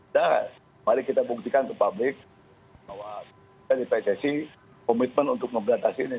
dan mari kita buktikan ke publik bahwa kita di pssi komitmen untuk membatasi ini